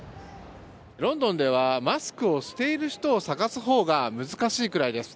ロンドンではマスクをしている人を探すほうが難しいくらいです。